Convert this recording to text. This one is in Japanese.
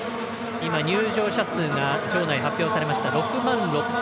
今、入場者数が場内発表されました。